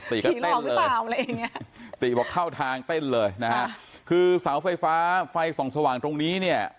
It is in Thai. ติก็เต้นเลยติบอกเข้าทางเต้นเลยนะฮะคือเสาไฟฟ้าไฟส่องสว่างตรงนี้เนี่ย